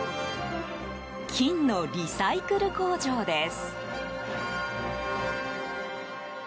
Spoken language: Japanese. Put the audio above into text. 金のリサイクル工場です。